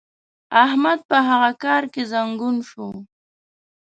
احمد په هغه کار کې زنګون شو.